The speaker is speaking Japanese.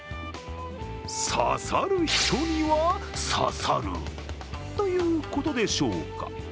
刺さる人には、刺さる！ということでしょうか。